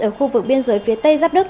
ở khu vực biên giới phía tây giáp đức